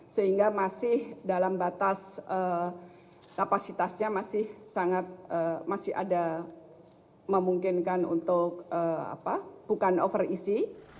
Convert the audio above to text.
sehingga masih dalam batas kapasitasnya masih ada memungkinkan untuk bukan overisi